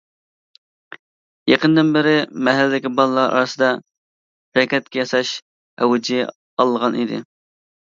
يېقىندىن بىرى مەھەللىدىكى بالىلار ئارىسىدا رەگەتكە ياساش ئەۋجى ئالغان ئىدى.